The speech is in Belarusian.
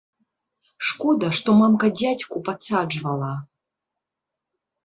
Шкода, што мамка дзядзьку падсаджвала!